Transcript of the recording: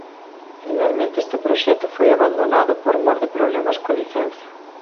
Finalmente este proxecto foi abandonado por mor de problemas coa licenza.